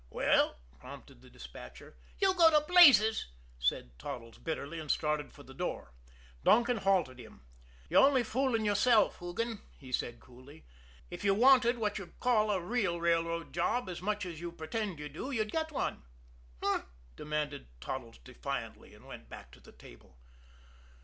"Well?" prompted the despatcher. "You go to blazes!" said Toddles bitterly, and started for the door. Donkin halted him. "You're only fooling yourself, Hoogan," he said coolly. "If you wanted what you call a real railroad job as much as you pretend you do, you'd get one." "Eh?" demanded Toddles defiantly; and went back to the table.